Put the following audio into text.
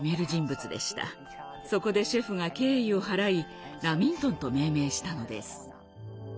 そこでシェフが敬意を払い「ラミントン」と命名したのです。